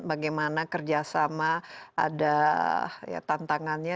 bagaimana kerjasama ada tantangannya